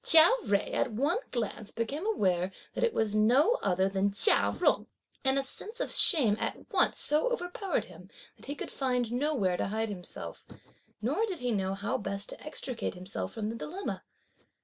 Chia Jui at one glance became aware that it was no other than Chia Jung; and a sense of shame at once so overpowered him that he could find nowhere to hide himself; nor did he know how best to extricate himself from the dilemma.